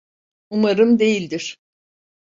Umarım değildir.